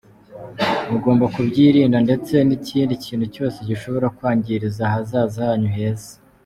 Mugomba kubyirinda ndetse n’ikindi kintu cyose gishobora kwangiriza ahazaza hanyu heza."